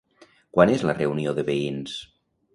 Quan és la reunió de veïns?